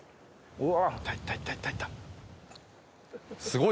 うわ。